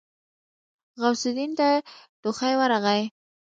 غوث الدين ته ټوخی ورغی.